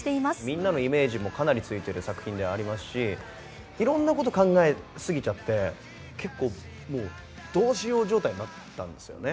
みんなのイメージもかなりついてる作品ではありますし、いろんなこと考え過ぎちゃって、結構、もうどうしよう状態になったんですよね。